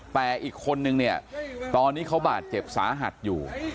แต่อีกคนนึงเนี่ยตอนนี้เขาบาดเจ็บสาหัสอยู่